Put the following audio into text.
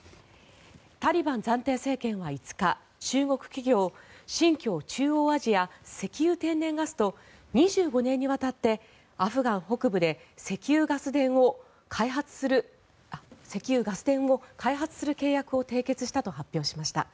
タリバン暫定政権は５日中国企業の新疆中央アジア石油天然ガスと２５年にわたってアフガン北部で石油・ガス田を開発する契約を締結したと発表しました。